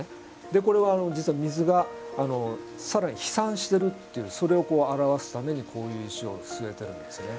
でこれは実は水が更に飛散してるっていうそれを表すためにこういう石を据えてるんですね。